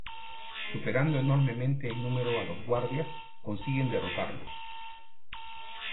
Superando enormemente en número a los guardias, consiguen derrotarlos.